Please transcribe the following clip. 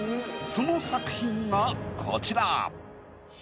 その作品がこちら。